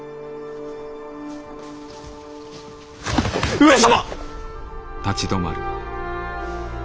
上様！